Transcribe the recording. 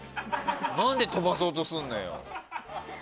何で飛ばそうとするのよ。